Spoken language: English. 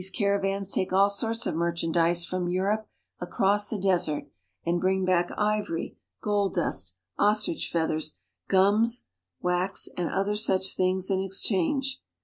caravans take all sorts of merchandise from Europe across the desert, and bring back ivory, gold dust, ostrich feathers, gums, wax, and other such things in exchange.